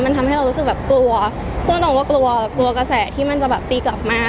มันทำให้เรารู้สึกแบบกลัวพูดตรงว่ากลัวกลัวกระแสที่มันจะแบบตีกลับมา